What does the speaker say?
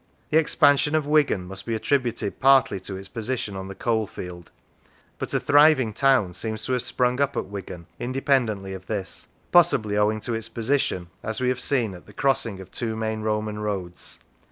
The expansion of Wigan must be attributed partly to its position on the coalfield, but a thriving town seems to have sprung up at Wigan independently of this; possibly owing to its position, as we have seen, at the crossing of two main Roman roads.